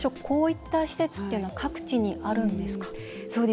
こういった施設っていうのは各地にあるんですか。